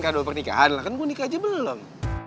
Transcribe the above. kado pernikahan lah kan gua nikah aja belum